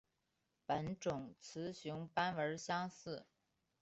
本种雌雄斑纹相似。